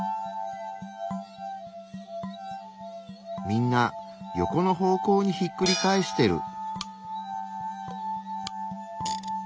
みんなヨコの方向にひっくり返してる。